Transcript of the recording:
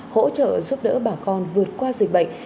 hỗ trợ giúp đỡ bà con vượt qua dịch bệnh